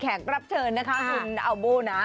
แขกรับเชิญนะคะคุณอัลโบนะ